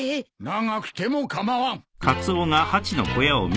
長くても構わん。